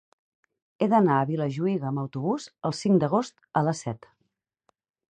He d'anar a Vilajuïga amb autobús el cinc d'agost a les set.